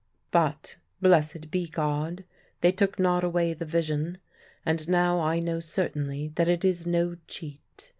But, blessed be God, they took not away the vision, and now I know certainly that it is no cheat.